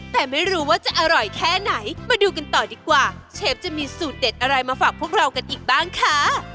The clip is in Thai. แต่ไม่รู้ว่าจะอร่อยแค่ไหนมาดูกันต่อดีกว่าเชฟจะมีสูตรเด็ดอะไรมาฝากพวกเรากันอีกบ้างค่ะ